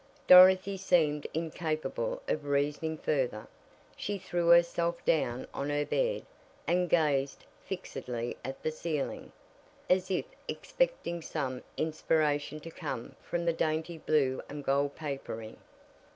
Dorothy seemed incapable of reasoning further. She threw herself down on her bed and gazed fixedly at the ceiling, as if expecting some inspiration to come from the dainty blue and gold papering.